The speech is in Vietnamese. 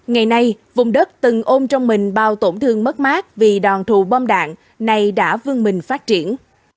ngày nay vùng đất từng ôm trong mình bao tổn thương mất mát vì đòn thù bom đạn nay đã vương mình phát triển